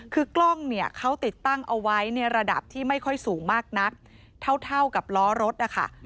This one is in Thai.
คือกล้องเนี่ยเขาติดตั้งเอาไว้ในระดับที่ไม่ค่อยสูงมากนักเท่ากับล้อรถนะคะ